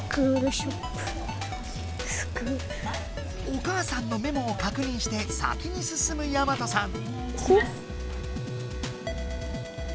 お母さんのメモをかくにんして先に進むやまとさん。